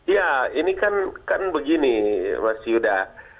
ya ini kan begini mas yuda